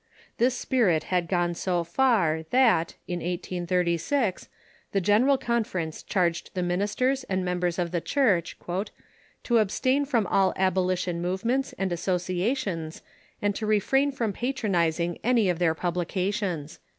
This spirit had gone so far that, in 1836, the General Confer ence charged the ministers and members of the Church "to abstain from all abolition movements and associations, and to refrain from patronizing an}' of their publications."